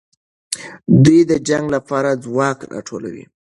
دوی د جنګ لپاره ځواک راټولوي.